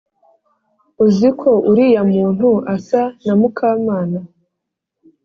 uziko uriya muntu asa na mukamana